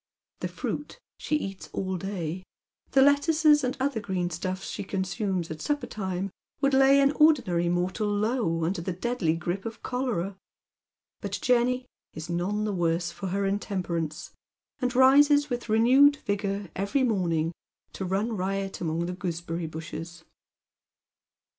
The fruit she eats all day, the lettuces and other green stufEs she consumes at supper time, would lay an ordinary mortal low, under the deadly grip of cholera ; but Jenny is none the worse for her intemperance, and rises with renewed vigour every morning to run riot among the goosebeny bushes.